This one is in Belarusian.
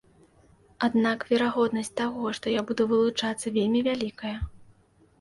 Аднак верагоднасць таго, што я буду вылучацца вельмі вялікая.